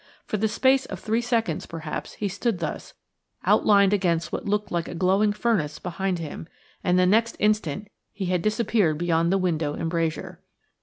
For the space of three seconds perhaps he stood thus, outlined against what looked like a glowing furnace behind him, and the next instant he had disappeared beyond the window embrasure.